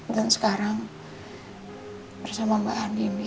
dan sekarang bersama mbak adi yang di icu